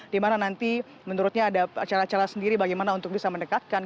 dimana nanti menurutnya ada cara cara sendiri bagaimana untuk bisa mendekatkan